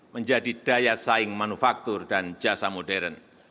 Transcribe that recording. menjadi daya saing manufaktur dan jasa modern